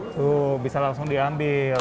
tuh bisa langsung diambil